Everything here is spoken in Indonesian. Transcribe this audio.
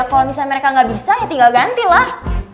kalo misalnya mereka gak bisa ya tinggal ganti lah